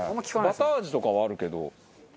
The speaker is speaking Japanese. バター味とかはあるけど。